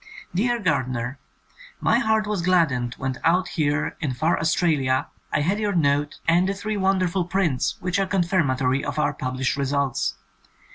Deak Gardnee, My heart was gladdened when out here in far Australia I had your note and the three wonderful prints which are con firmatory of our published results.